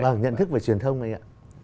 vâng nhận thức về truyền thông này ạ